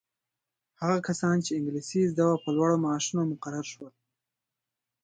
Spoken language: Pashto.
هغه کسان انګلیسي یې زده وه په لوړو معاشونو مقرر شول.